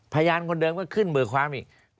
พยานคนเดิมก็ขึ้นเบิกความอีก